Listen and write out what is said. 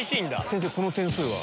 先生この点数は？